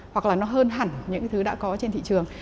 hoặc là nó hơn hẳn những thứ đã có trên thị trường